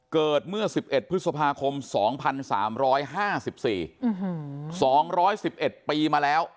เกิดเมื่อ๑๑พฤษภาคมสองพันสามร้อยห้าสิบสี่สองร้อยสิบเอ็ดปีมาแล้ว